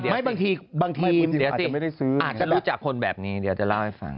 บางทีบางทีอาจจะรู้จักคนแบบนี้เดี๋ยวจะเล่าให้ฟัง